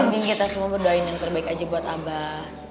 mending kita semua berdoain yang terbaik aja buat abah